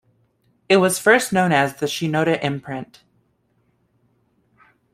It was first known as "The Shinoda Imprint".